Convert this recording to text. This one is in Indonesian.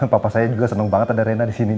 papa saya juga senang banget ada rena di sini